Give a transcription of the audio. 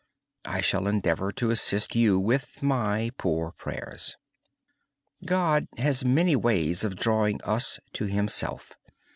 I shall endeavor to assist you with my poor prayers. God has many ways of drawing us to Himself.